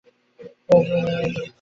সেই স্থানে ভগবানের আবির্ভাব হয়েছে।